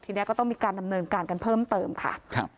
ทีนี้ก็ต้องมีการดำเนินการกันเพิ่มเติมค่ะ